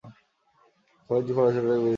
খালিদ ঘোড়া ঘুরিয়ে ছুটে চলেন।